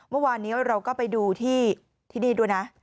เมื่อวานนี้เราก็ไปดูที่นี่ด้วยนะ